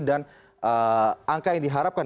dan angka yang diharapkan